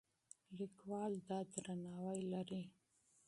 لیکوال دا درناوی لري.